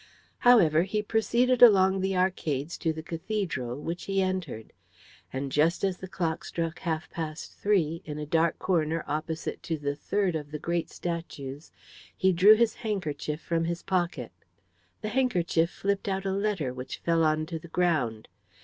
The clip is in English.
However, he proceeded along the arcades to the cathedral, which he entered; and just as the clock struck half past three, in a dark corner opposite to the third of the great statues he drew his handkerchief from his pocket. The handkerchief flipped out a letter which fell onto the ground.